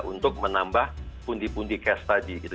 untuk menambah pundi pundi cash tadi gitu